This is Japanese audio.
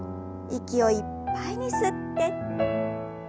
息をいっぱいに吸って。